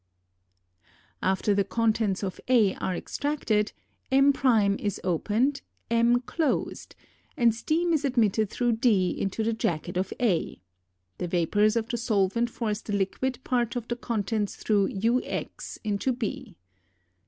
After the contents of A are extracted, m´ is opened, m closed, and steam is admitted through d into the jacket of A; the vapors of the solvent force the liquid part of the contents through ux into B.